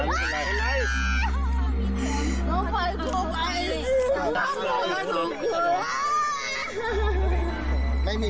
ไม่มีใครทำอะไรลุกขึ้นแม่งตอนนี้